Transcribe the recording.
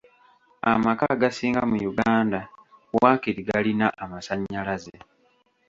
Amaka agasinga mu Uganda waakiri galina amasannyalaze.